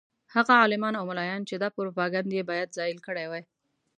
هغه عالمان او ملایان چې دا پروپاګند باید زایل کړی وای.